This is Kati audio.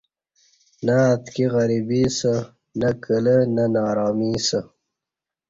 نہ اتکی غریبی اسہ نہ کلہ نہ نارامی اسہ